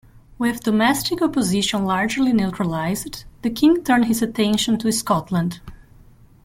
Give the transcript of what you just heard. With domestic opposition largely neutralised, the king turned his attention to Scotland.